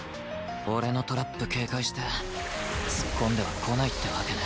俺のトラップ警戒して突っ込んではこないってわけね